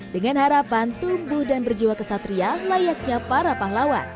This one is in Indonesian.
dengan harapan tumbuh dan berjiwa kesatria layaknya para pahlawan